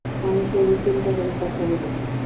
আমি চলি, চিন্তা করি, কথা বলি।